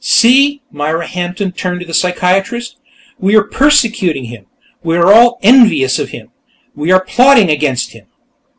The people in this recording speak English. "See!" Myra Hampton turned to the psychiatrist. "We are persecuting him! We are all envious of him! We are plotting against him!"